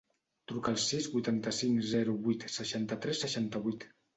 Truca al sis, vuitanta-cinc, zero, vuit, seixanta-tres, seixanta-vuit.